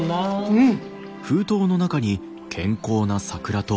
うん？